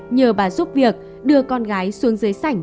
nhờ bà giúp việc đưa con gái xuống dưới sảnh